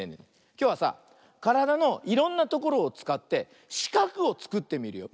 きょうはさからだのいろんなところをつかってしかくをつくってみるよ。